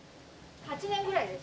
８年ぐらいです。